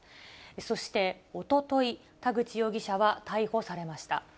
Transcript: そしておととい、田口容疑者は逮捕されました。